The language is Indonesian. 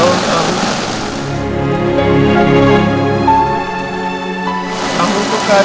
harus menerima kebencian mama bertahun tahun